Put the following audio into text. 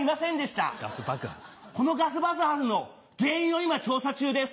このガスバスハスの原因を今調査中です。